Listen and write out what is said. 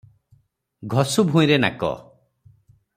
ଘଷୁ ଭୂଇଁରେ ନାକ ।"